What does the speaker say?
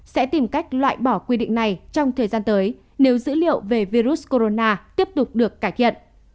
sẽ tìm cách loại bỏ quy định này trong thời gian tới nếu dữ liệu về virus corona tiếp tục được cải thiện